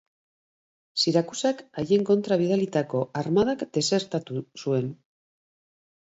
Sirakusak haien kontra bidalitako armadak desertatu zuen.